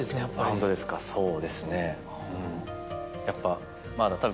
ホントですかそうですねやっぱ。